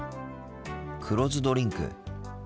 黒酢ドリンク。